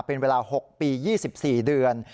เป็นเวลา๖ปี๒๔เดือน